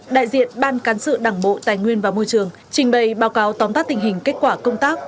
đại diện ban cán sự đảng bộ tài nguyên và môi trường trình bày báo cáo tóm tắt tình hình kết quả công tác